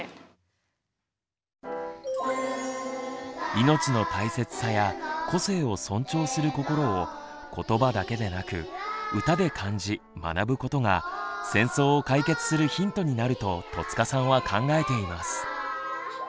命の大切さや個性を尊重する心を言葉だけでなく歌で感じ学ぶことが戦争を解決するヒントになると戸塚さんは考えています。